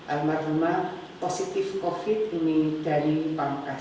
almat rumah positif covid ini dari pangkasan